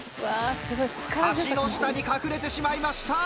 橋の下に隠れてしまいました。